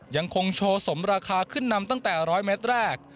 ยังคงโชว์สมราคาขึ้นนำตั้งแต่๑๐๐เมตรแรก